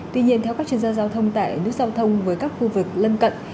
tuy nhiên theo các chuyên gia giao thông tại nút giao thông với các khu vực lân cận